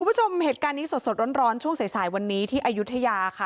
คุณผู้ชมเหตุการณ์นี้สดร้อนช่วงสายวันนี้ที่อายุทยาค่ะ